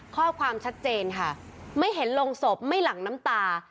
ข้อความชัดเจนค่ะไม่เห็นโรงศพไม่หลั่งน้ำตา